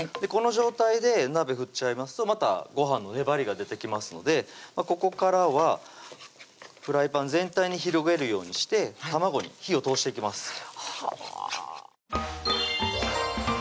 この状態で鍋振っちゃいますとまたご飯の粘りが出てきますのでここからはフライパン全体に広げるようにして卵に火を通していきます